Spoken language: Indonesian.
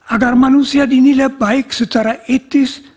agar manusia dinilai baik secara etis